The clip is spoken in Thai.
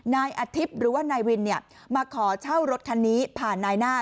นายอาทิตย์หรือว่านายวินมาขอเช่ารถคันนี้ผ่านนายหน้า